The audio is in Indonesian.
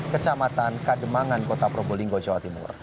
kecamatan kademangan kota probolinggo jatim